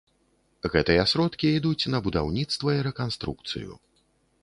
Гэтыя сродкі ідуць на будаўніцтва і рэканструкцыю.